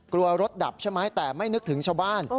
กลัวรถดับใช่ไหมแต่ไม่นึกถึงชาวบ้าน